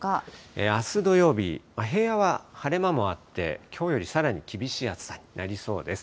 あす土曜日、平野は晴れ間もあって、きょうよりさらに厳しい暑さになりそうです。